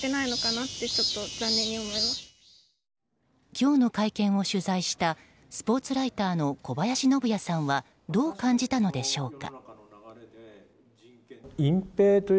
今日の会見を取材したスポーツライターの小林信也さんはどう感じたのでしょうか。